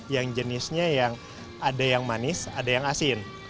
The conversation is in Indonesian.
yang jenisnya yang ada yang manis ada yang asin